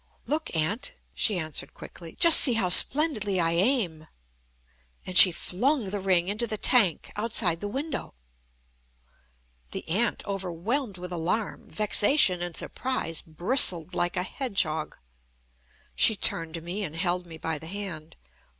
"Look, Aunt," she answered quickly, "just see how splendidly I aim." And she flung the ring into the tank outside the window. The aunt, overwhelmed with alarm, vexation, and surprise, bristled like a hedgehog. She turned to me, and held me by the hand.